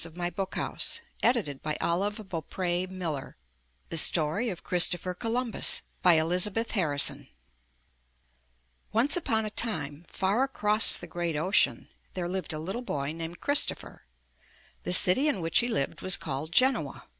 203 M Y BOOK HOUSE THE STORY OF CHRISTOPHER COLUMBUS* Elizabeth Harrison Once upon a time, far across the great ocean, there lived a little boy named Christopher. The city in which he lived was called Genoa.